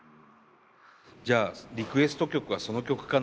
じゃあリクエスト曲はその曲かな？